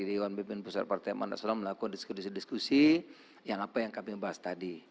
di iwan pimpin pusat partai pertama nasional melakukan diskusi diskusi yang apa yang kami bahas tadi